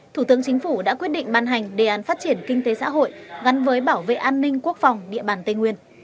thủ tướng chính phủ đã quyết định ban hành đề án phát triển kinh tế xã hội gắn với bảo vệ an ninh quốc phòng địa bàn tây nguyên